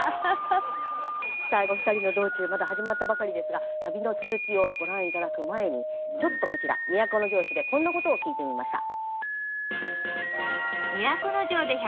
さあ２人の道中まだ始まったばかりですが旅の続きをご覧頂く前にちょっとこちら都城市でこんなことを聞いてみました。